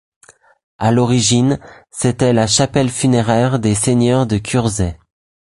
À l'origine, c'était la chapelle funéraire des seigneurs de Curzay.